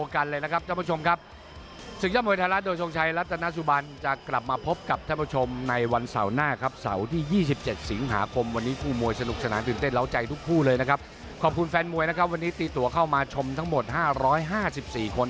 ขอบคุณแฟนมวยนะครับวันนี้ตีตัวเข้ามาชมทั้งหมด๕๕๔คน